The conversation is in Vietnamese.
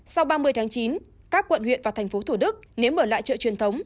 sau ba mươi tháng chín các quận huyện và thành phố thủ đức nếu mở lại chợ truyền thống